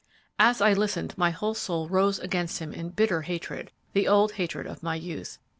"As I listened, my whole soul rose against him in bitter hatred, the old hatred of my youth.